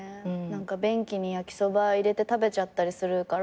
何か便器に焼きそば入れて食べちゃったりするから。